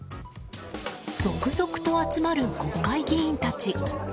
続々と集まる国会議員たち。